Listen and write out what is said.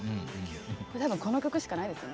多分この曲しかないですよね。